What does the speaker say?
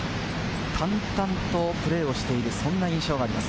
淡々とプレーをしている、そんな印象があります。